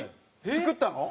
作ったの？